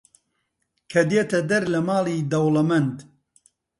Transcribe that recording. کە دێتە دەر لە ماڵی دەوڵەمەند